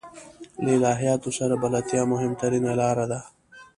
له الهیاتو سره بلدتیا مهمترینه لاره ده.